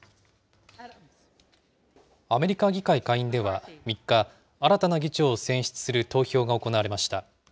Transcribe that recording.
アメリカ議会下院では、３日、新たな議長を選出する投票が行われました。